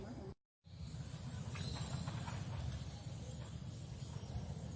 สวัสดีครับ